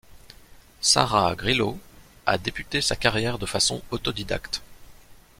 Sarah Grilo a débuté sa carrière de façon autodidacte.